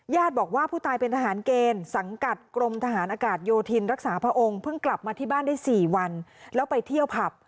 บอกว่าผู้ตายเป็นทหารเกณฑ์สังกัดกรมทหารอากาศโยธินรักษาพระองค์เพิ่งกลับมาที่บ้านได้๔วันแล้วไปเที่ยวผับ